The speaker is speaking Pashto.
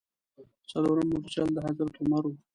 څلورم مورچل د حضرت عمر و.